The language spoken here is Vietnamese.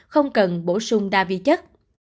không cần bổ sung đa vi chất